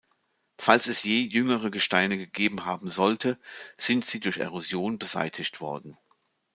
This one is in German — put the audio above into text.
Falls es je jüngere Gesteine gegeben haben sollte, sind sie durch Erosion beseitigt worden.